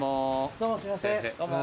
どうもすいません。